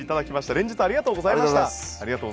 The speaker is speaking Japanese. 連日ありがとうございました。